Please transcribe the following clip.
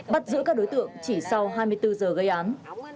bắt giữ các đối tượng chỉ sau hai mươi bốn giờ gây án